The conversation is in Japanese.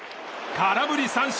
空振り三振！